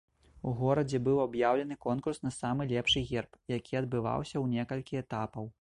У горадзе быў аб'яўлены конкурс на самы лепшы герб, які адбываўся ў некалькі этапаў.